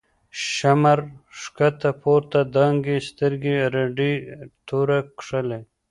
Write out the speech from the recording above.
” شمر” ښکته پورته دانگی، سترگی رډی توره کښلی